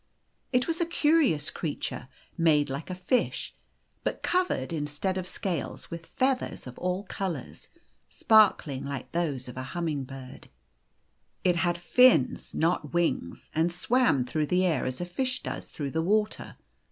It was a curious creature, made like a fish, but covered, instead of scales, with feathers of all colours, sparkling like those of a hum ming bird. It had fins, not wings, and swam through the air as a fish does through the water.